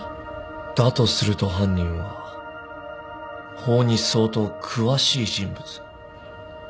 だとすると犯人は法に相当詳しい人物。